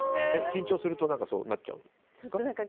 緊張するとそうなっちゃうんですか？